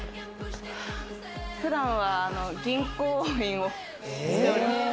普段は銀行員をしております。